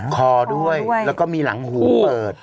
คอด้วยแล้วก็มีหลังหูเปิด